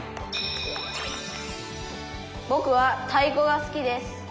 「ぼくは太鼓が好きです」。